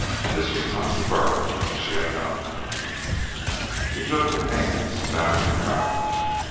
this was not the Burl she had known. He took her hands, babbling proudly.